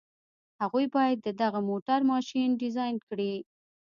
هغوی بايد د دغه موټر ماشين ډيزاين کړي.